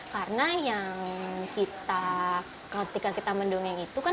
karena yang kita ketika kita mendongeng itu kan